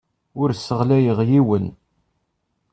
Ur sseɣyaleɣ yiwen.